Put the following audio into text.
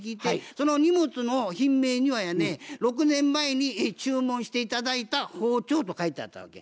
その荷物の品名にはやね「６年前に注文して頂いた包丁」と書いてあったわけ。